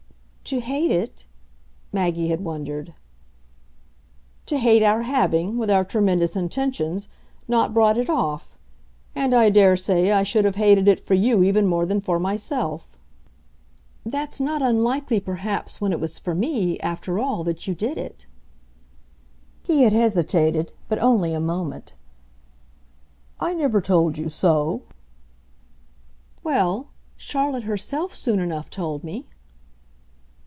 "To hate it ?" Maggie had wondered. "To hate our having, with our tremendous intentions, not brought it off. And I daresay I should have hated it for you even more than for myself." "That's not unlikely perhaps when it was for me, after all, that you did it." He had hesitated, but only a moment. "I never told you so." "Well, Charlotte herself soon enough told me."